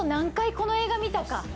この映画見たか。